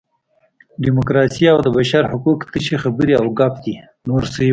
ډیموکراسي او د بشر حقوق تشې خبرې او ګپ دي.